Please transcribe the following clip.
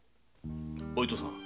お糸さん